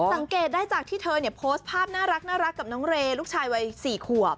สังเกตได้จากที่เธอเนี่ยโพสต์ภาพน่ารักกับน้องเรย์ลูกชายวัย๔ขวบ